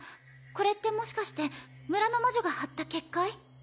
これってもしかして村の魔女が張った結界？